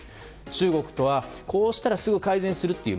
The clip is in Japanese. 中国とはこうしたらすぐ改善するという